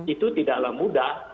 itu tidaklah mudah